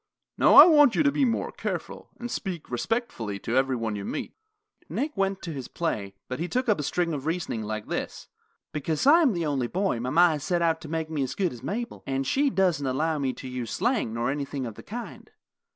Now I want you to be more careful, and speak respectfully to every one you meet." Nick went to his play, but he took up a string of reasoning like this: "Because I am the only boy mama has set out to make me as good as Mabel, and she doesn't allow me to use slang nor anything of the kind.